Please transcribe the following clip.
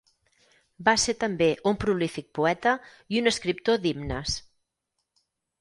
Va ser també un prolífic poeta i un escriptor d'himnes.